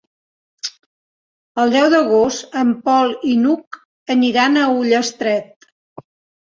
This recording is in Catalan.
El deu d'agost en Pol i n'Hug aniran a Ullastret.